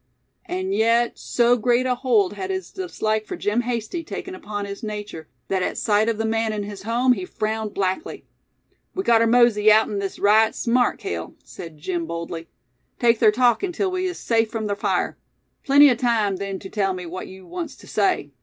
And yet so great a hold had his dislike for Jim Hasty taken upon his nature, that at sight of the man in his home he frowned blackly. "We gotter mosey outen this right smart, Cale," said Jim, boldly. "Keep ther talkin' till we is safe from ther fire. Plenty o' time then tew tell me what yew wants tew say.